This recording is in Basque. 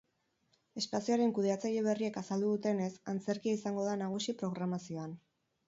Espazioaren kudeatzaile berriek azaldu dutenez, antzerkia izango da nagusi programazioan.